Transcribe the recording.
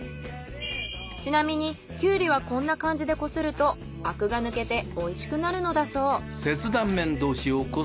ちなみにきゅうりはこんな感じでこするとあくが抜けておいしくなるのだそう。